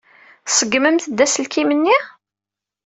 Tṣeggmemt-d aselkim-nni?